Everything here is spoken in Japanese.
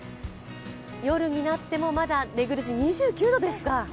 夜になってもまだ寝苦しい２９度ですか。